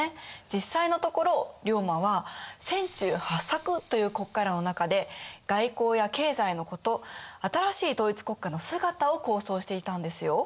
実際のところ龍馬は「船中八策」という国家論の中で外交や経済のこと新しい統一国家の姿を構想していたんですよ。